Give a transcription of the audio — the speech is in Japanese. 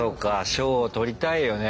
賞を取りたいよね。